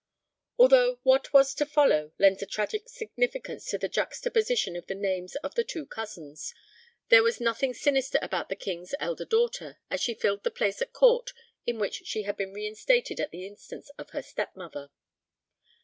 Although what was to follow lends a tragic significance to the juxtaposition of the names of the two cousins, there was nothing sinister about the King's elder daughter as she filled the place at Court in which she had been reinstated at the instance of her step mother.